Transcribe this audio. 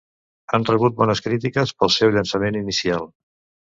Han rebut bones crítiques pel seu llançament inicial.